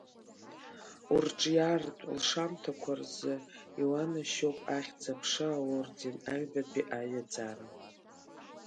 Урҿиаратә лшамҭақәа рзы иуанашьоуп Ахьӡ-аԥша орден аҩбатәи аҩаӡара.